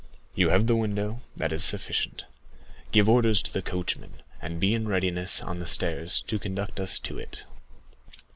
You have the window, that is sufficient. Give orders to the coachman; and be in readiness on the stairs to conduct us to it."